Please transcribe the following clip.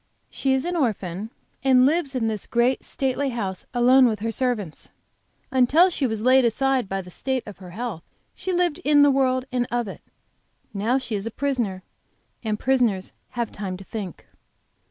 She is an orphan and lives in this great, stately house alone with her servants. Until she was laid aside by the state pf her health, she lived in the world and of it. Now she is a prisoner, and prisoners have time to think.